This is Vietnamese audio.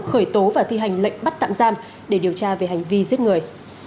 khởi tố và thi hành lệnh bắt tạm giam để điều tra về hành vi giết người